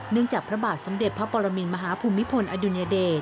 จากพระบาทสมเด็จพระปรมินมหาภูมิพลอดุญเดช